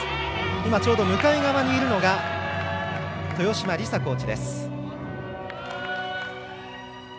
今、ちょうど向かい側にいたのが豊島リサコーチ。